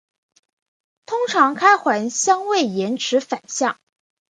通常开环相位延迟反相。